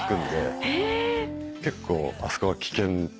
結構あそこは危険だと。